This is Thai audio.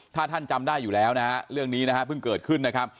ถ้าท่านจำได้อยู่แล้วนะฮะเรื่องนี้นะฮะเพิ่งเกิดขึ้นนะครับ